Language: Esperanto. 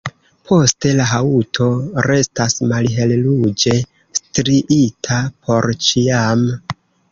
Poste la haŭto restas malhelruĝe striita por ĉiam.